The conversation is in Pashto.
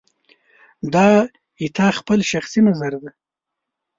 دا ستا خپل شخصي نظر دی